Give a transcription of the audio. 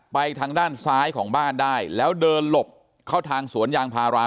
ไปทางด้านซ้ายของบ้านได้แล้วเดินหลบเข้าทางสวนยางพารา